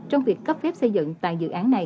trong việc cấp phép xây dựng tại dự án này